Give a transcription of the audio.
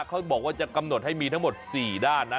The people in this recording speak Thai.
เขาบอกว่าจะกำหนดให้มีทั้งหมด๔ด้านนะ